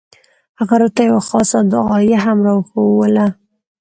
هغه راته يوه خاصه دعايه هم راوښووله.